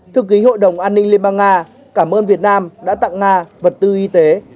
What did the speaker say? thư ký hội đồng an ninh liên bang nga cảm ơn việt nam đã tặng nga vật tư y tế